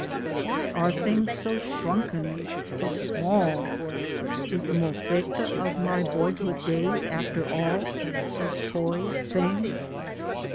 Why are things so shrunken, so small? Is the Molfetta of my boyhood days after all a toy thing